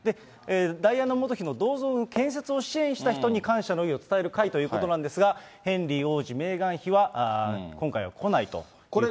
ダイアナ元妃の銅像の建設を支援した人に感謝の意を伝える会ということなんですが、ヘンリー王子、メーガン妃は今回は来ないということです。